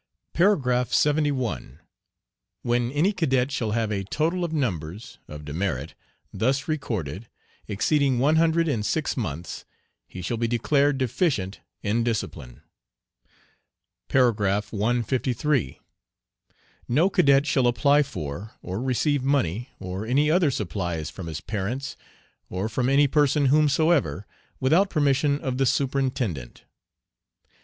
Par. 71. When any Cadet shall have a total of numbers [of demerit] thus recorded, exceeding one hundred in six months, he shall be declared deficient in discipline. Par. 153. No Cadet shall apply for, or receive money, or any other supplies from his parents, or from any person whomsoever, without permission of the Superintendent.